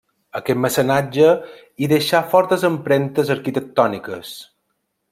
Aquest mecenatge hi deixà fortes empremtes arquitectòniques.